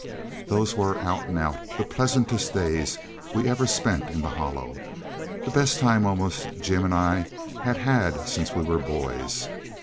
Those were out and out the pleasantest days we ever spent in the Hollow the best time almost Jim and I had had since we were boys.